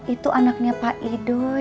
itu anaknya pak idoi